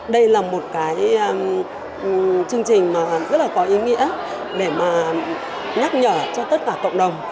đây là một cái chương trình mà rất là có ý nghĩa để mà nhắc nhở cho tất cả cộng đồng